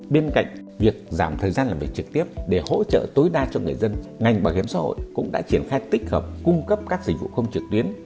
bên cạnh việc giảm thời gian làm việc trực tiếp để hỗ trợ tối đa cho người dân ngành bảo hiểm xã hội cũng đã triển khai tích hợp cung cấp các dịch vụ công trực tuyến